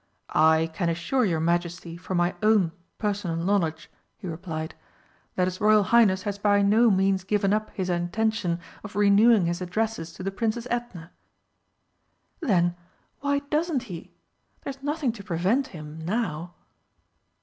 "I can assure your Majesty from my own personal knowledge," he replied, "that his Royal Highness has by no means given up his intention of renewing his addresses to the Princess Edna." "Then why doesn't he? There's nothing to prevent him now."